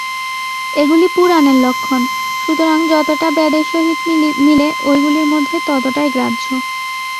এগুলি পুরাণের লক্ষণ, সুতরাং যতটা বেদের সহিত মিলে, ঐগুলির মধ্যে ততটাই গ্রাহ্য।